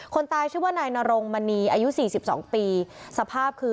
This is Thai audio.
คนตายชื่อว่านายนรงมณีอายุสี่สิบสองปีสภาพคือ